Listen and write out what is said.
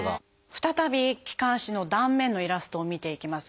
再び気管支の断面のイラストを見ていきます。